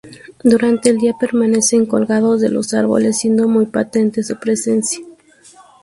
Durante el día permanecen colgados de los árboles siendo muy patente su presencia.